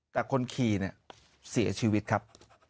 แต่คนขี่เนี่ยเสียชีวิตครับ